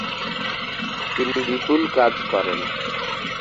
তিনি বিপুল কাজ করেন।